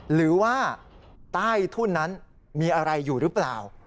หรือว่าใต้ทุ่นนั้นมีอะไรอยู่หรือเปล่า